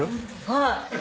はい。